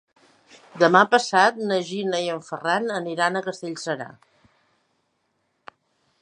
Demà passat na Gina i en Ferran aniran a Castellserà.